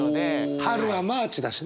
春は「マーチ」だしね！